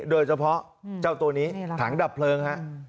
โดยเฉพาะเจ้าตัวนี้ถังดับเพลิง